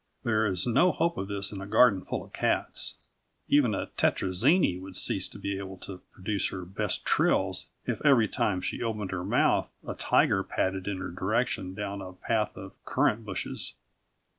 There is no hope of this in a garden full of cats. Even a Tetrazzini would cease to be able to produce her best trills if every time she opened her mouth, a tiger padded in her direction down a path of currant bushes.